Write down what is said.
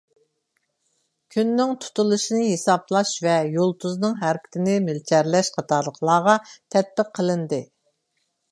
كۈننىڭ تۇتۇلۇشىنى ھېسابلاش ۋە يۇلتۇزنىڭ ھەرىكىتىنى مۆلچەرلەش قاتارلىقلارغا تەتبىق قىلىندى.